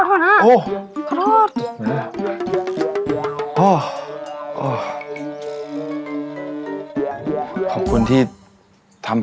แต่นี่มึงมายุ่งกับป่อยสุธิรัก